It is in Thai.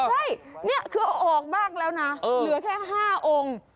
ใช่นี่คือเอาออกบ้างแล้วนะเหลือแค่๕องค์